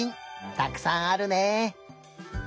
たくさんあるね。